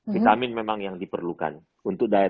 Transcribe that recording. vitamin memang yang diperlukan untuk diet